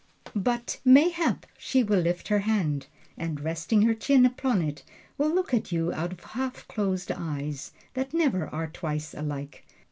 But mayhap she will lift her hand and resting her chin upon it will look at you out of half closed eyes that never are twice alike.